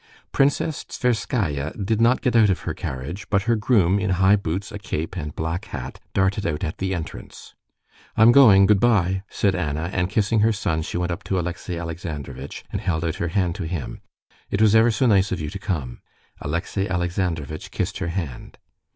Princess Tverskaya did not get out of her carriage, but her groom, in high boots, a cape, and black hat, darted out at the entrance. "I'm going; good bye!" said Anna, and kissing her son, she went up to Alexey Alexandrovitch and held out her hand to him. "It was ever so nice of you to come." Alexey Alexandrovitch kissed her hand.